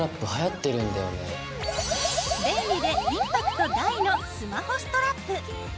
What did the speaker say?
便利でインパクト大のスマホストラップ。